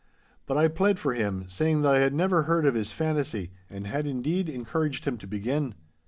But I pled for him, saying that I had never heard of his fantasy, and had indeed encouraged him to begin.